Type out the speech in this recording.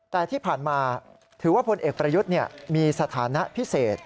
แต่ที่ผ่านมาถือว่าพลเอกประยุทธ์มีสถานะพิเศษ